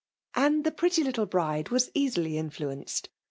And the pretty little bride was easily in fluenced.